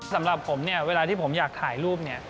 สำหรับผมเวลาที่ผมอยากถ่ายรูป